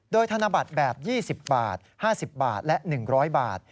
โดยธนบัตรแบบ๒๐บาท๕๐บาทและ๑๐๐บาท